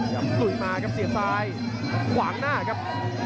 ปลุยมาครับเสียบซ้ายขวางหน้าครับ